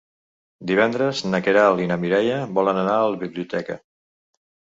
Divendres na Queralt i na Mireia volen anar a la biblioteca.